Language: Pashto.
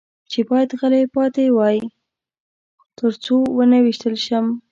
چې باید غلی پاتې وای، تر څو و نه وېشتل شم.